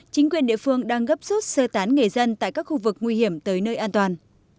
chính quyền địa phương đang gấp rút sơ tán người dân tại các khu vực nguy hiểm tới nơi an toàn